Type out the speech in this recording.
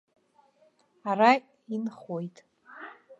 Ара инхоит.